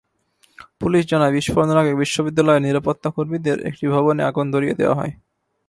Police জানায়, বিস্ফোরণের আগে বিশ্ববিদ্যালয়ের নিরাপত্তাকর্মীদের একটি ভবনে আগুন ধরিয়ে দেওয়া হয়।